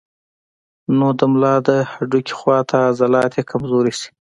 نو د ملا د هډوکي خواته عضلات ئې کمزوري شي